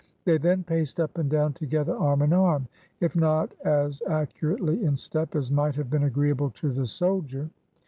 They then paced up and down together arm in arm, if not as accurately in step as might have been agreeable to the soldier.